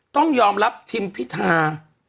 ต้องยอมรับทิมพิธา